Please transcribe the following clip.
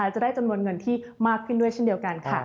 จะได้จำนวนเงินที่มากขึ้นด้วยเช่นเดียวกันค่ะ